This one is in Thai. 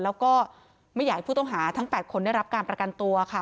แล้วก็ไม่อยากให้ผู้ต้องหาทั้ง๘คนได้รับการประกันตัวค่ะ